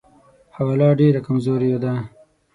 حواله ډېره کمزورې ده.